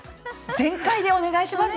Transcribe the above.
全開でお願いします